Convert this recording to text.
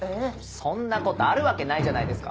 そんな事あるわけないじゃないですか。